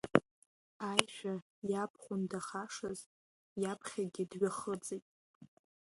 Аишәа иабхәындахашаз иаԥхьагьы дҩахыҵит.